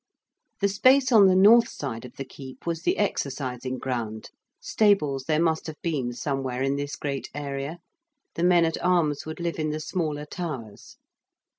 The space on the north side of the Keep was the exercising ground: stables there must have been somewhere in this great area; the men at arms would live in the smaller towers.